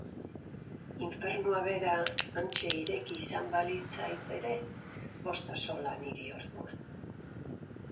Infernua bera hantxe ireki izan balitzait ere, bost axola niri orduan.